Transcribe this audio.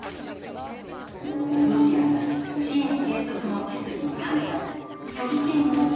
ロシアが支援継続の決議に反対拒否権を行使したのです。